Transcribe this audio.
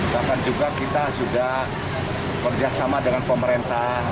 bahkan juga kita sudah kerjasama dengan pemerintah